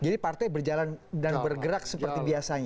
jadi partai berjalan dan bergerak seperti biasanya